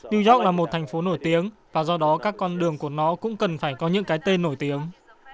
new york là một thành phố nổi tiếng và do đó các con đường của nó cũng cần phải có những cái tên nổi tiếng